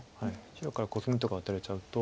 白からコスミとか打たれちゃうと。